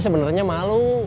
saya bener nya malu